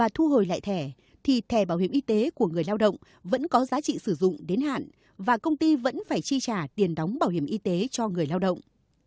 thẻ bảo hiểm y tế của người lao động vẫn có giá trị sử dụng và công ty vẫn phải chi trả tiền đóng bảo hiểm y tế cho người lao động